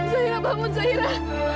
zahira bangun zahira